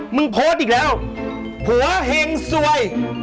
โพสต์อีกแล้วผัวเห็งสวย